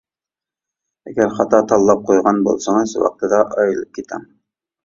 ئەگەر خاتا تاللاپ قويغان بولسىڭىز ۋاقتىدا ئايرىلىپ كېتىڭ.